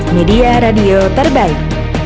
media radio terbaik